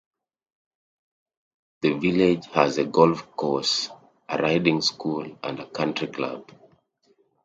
The village has a golf course, a riding school and a country club.